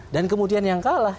dan kemudian yang kalah